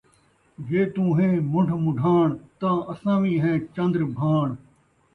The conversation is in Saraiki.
جے توں ہیں من٘ڈھ من٘ڈھاݨ ، تاں اساں وی ہیں چندر بھاݨ